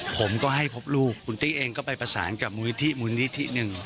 ผมก็ให้พบลูกคุณตี้เองก็ไปประสานกับมูลนิธิมูลนิธิหนึ่ง